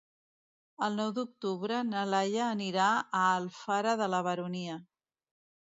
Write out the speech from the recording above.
El nou d'octubre na Laia anirà a Alfara de la Baronia.